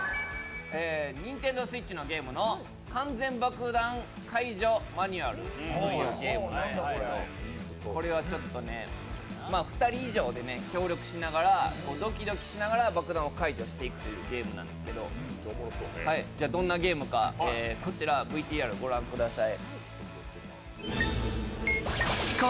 ＮｉｎｔｅｎｄｏＳｗｉｔｃｈのゲームの「完全爆弾解除マニュアル」というゲームなんですけど２人以上でね、協力しながらドキドキしながら爆弾を解除していくっていうゲームなんですけどどんなゲームかこちらＶＴＲご覧ください。